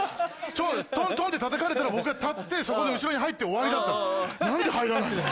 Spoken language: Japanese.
トントンってたたかれたら僕が立ってそこの後ろに入って終わりだった何で入らないの？